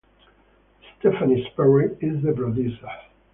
Stephane Sperry is the producer.